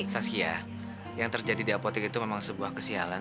saskia yang terjadi di apotek itu memang sebuah kesialan